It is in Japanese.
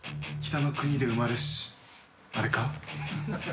北の国で生まれしあれか？